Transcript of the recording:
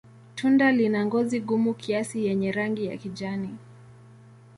Tunda lina ngozi gumu kiasi yenye rangi ya kijani.